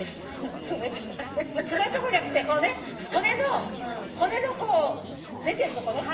爪んとこじゃなくてこのね骨の骨のこう出てるとこね。